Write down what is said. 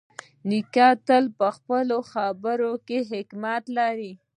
نیکه تل په خپلو خبرو کې حکمت لري.